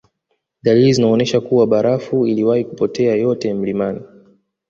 Dalili zinzonesha kuwa barafu iliwahi kupotea yote mlimani